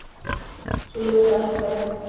چلو صاف ڪر.